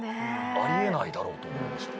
あり得ないだろうと思いました。